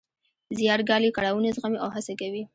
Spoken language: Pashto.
زیار ګالي، کړاوونه زغمي او هڅه کوي.